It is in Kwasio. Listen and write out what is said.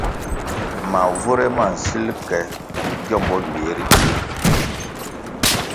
Mavure ma nsil ke giómbò ywiè ri pfie.